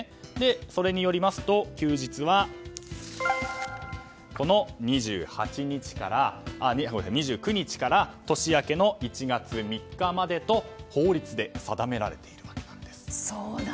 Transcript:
それによりますと休日は、この２９日から年明けの１月３日までと法律で定められているわけです。